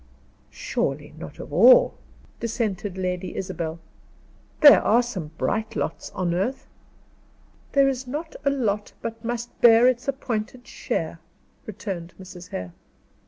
"Surely, not of all," dissented Lady Isabel. "There are some bright lots on earth." "There is not a lot but must bear its appointed share," returned Mrs. Hare.